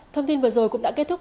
thông tin vừa rồi cũng đã kết thúc